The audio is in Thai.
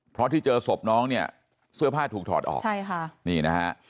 เพราะที่เจอศพน้องเนี่ยเสื้อผ้าถูกถอดออกใช่ค่ะนี่นะฮะ